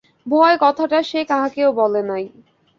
ভয়ে কথাটা সে কাহাকেও বলে নাই।